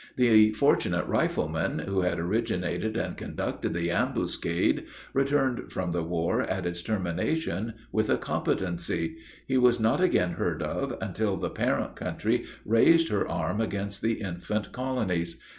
The fortunate rifleman, who had originated and conducted the ambuscade, returned from the war, at its termination, with a competency. He was not again heard of, until the parent country raised her arm against the infant colonies.